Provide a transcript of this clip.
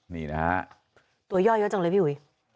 นี่นะฮะตัวย่อเยอะจังเลยพี่อุ๋ย